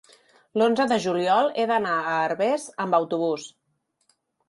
L'onze de juliol he d'anar a Herbers amb autobús.